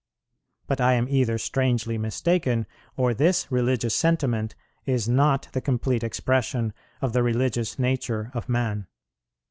But I am either strangely mistaken, or this religious sentiment is not the complete expression of the religious nature of man.